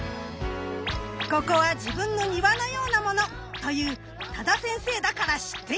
ここは自分の庭のようなものという多田先生だから知っている！